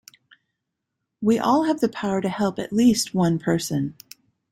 We all have the power to help at least one person.